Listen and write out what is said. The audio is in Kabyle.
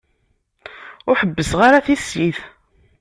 Ur ḥebbseɣ ara tissit.